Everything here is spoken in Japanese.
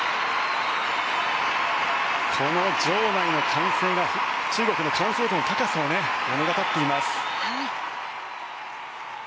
この場内の歓声が中国の完成度の高さを物語っています。